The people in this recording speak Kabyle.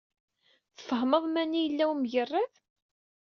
Tfehmeḍ mani yella wemgerrad?